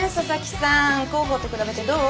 広報と比べてどう？